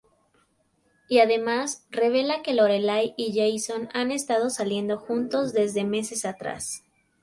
Y además, revela que Lorelai y Jason han estado saliendo juntos desde meses atrás.